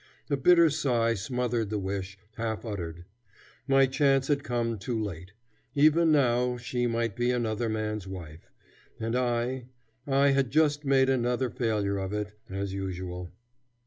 A bitter sigh smothered the wish, half uttered. My chance had come too late. Even now she might be another man's wife, and I I had just made another failure of it, as usual.